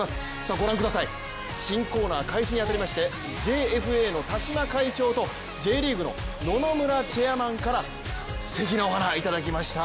ご覧ください、新コーナー開始に当たりまして、ＪＦＡの田嶋会長とＪリーグの野々村チェアマンからすてきなお花をいただきました。